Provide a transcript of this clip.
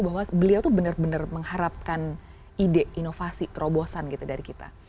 bahwa beliau tuh benar benar mengharapkan ide inovasi terobosan gitu dari kita